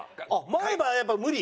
前歯やっぱ無理？